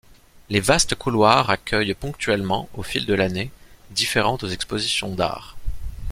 Les vastes couloirs accueillent ponctuellement au fil de l'année différentes expositions d'art.